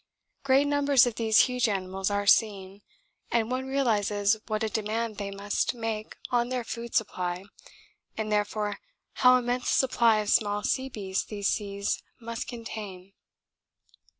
Great numbers of these huge animals are seen, and one realises what a demand they must make on their food supply and therefore how immense a supply of small sea beasts these seas must contain.